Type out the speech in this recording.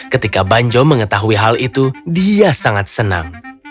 ketika banjo mengetahui hal itu dia sangat senang